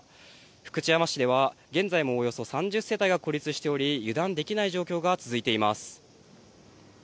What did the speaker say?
福知山市では現在もおよそ３０世帯が孤立しており、油断できない状況が続いています。